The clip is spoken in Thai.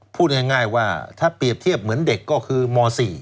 พูดง่ายว่าถ้าเปรียบเทียบเหมือนเด็กก็คือม๔